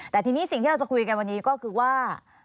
แต่ทีนี้สิ่งที่เราจะคุยกันวันนี้ก็คือว่า